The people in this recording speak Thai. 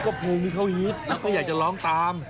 ก็เพลงที่เขาฮิตแล้วก็อยากจะร้องตาม